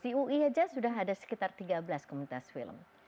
di ui aja sudah ada sekitar tiga belas komunitas film